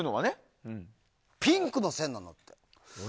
ピンクの線なんだって。